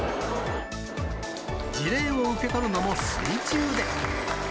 辞令を受け取るのも水中で。